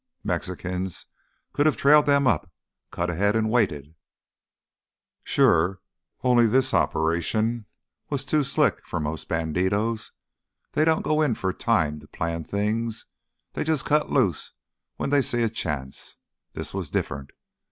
"Mexicans could have trailed them up, cut ahead and waited——" "Sure. Only this operation was too slick for most bandidos. They don't go in for timed, planned things; they jus' cut loose when they see a chance. This was different.